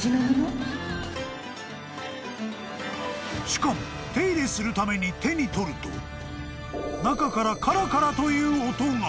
［しかも手入れするために手に取ると中からカラカラという音が］